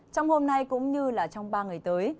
trong hôm nay cũng như trong ba ngày tới